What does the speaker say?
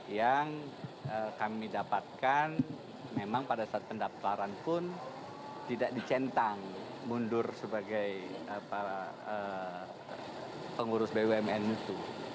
yang kami dapatkan memang pada saat pendaftaran pun tidak dicentang mundur sebagai pengurus bumn itu